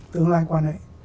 tương lai quan hệ